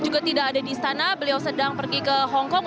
juga tidak ada di istana beliau sedang pergi ke hongkong